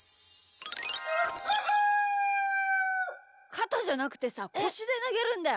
かたじゃなくてさこしでなげるんだよ。